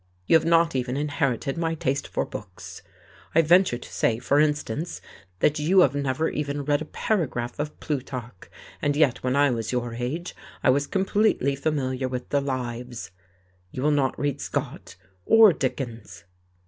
You have not even inherited my taste for books. I venture to say, for instance, that you have never even read a paragraph of Plutarch, and yet when I was your age I was completely familiar with the Lives. You will not read Scott or Dickens."